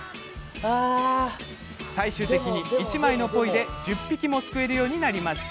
最終的に、１枚のポイで１０匹もすくえるようになりました。